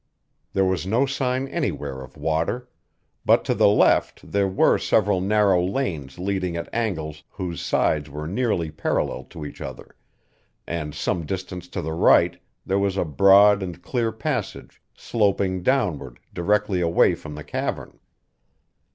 There was no sign anywhere of water; but to the left there were several narrow lanes leading at angles whose sides were nearly parallel to each other, and some distance to the right there was a broad and clear passage sloping downward directly away from the cavern.